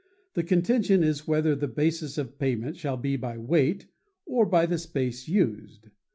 The contention is whether the basis of payment shall be by weight or by the space used.